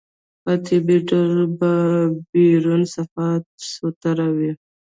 په طبيعي ډول به بيرون صفا سوتره وي.